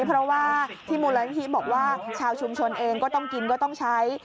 เพราะว่าที่มูลนิธิบอกว่าชาวชุมชนเองก็ต้องกินก็ต้องใช้